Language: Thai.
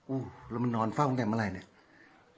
แล้วมันนอนเฝ้าตั้งแต่เมื่อไหร่เนี่ย